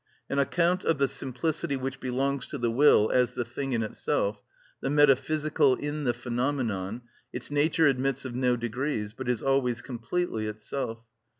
On account of the simplicity which belongs to the will as the thing in itself, the metaphysical in the phenomenon, its nature admits of no degrees, but is always completely itself.